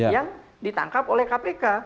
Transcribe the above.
yang ditangkap oleh kpk